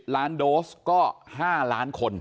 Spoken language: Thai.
ล้านโดสก็๕ล้านคน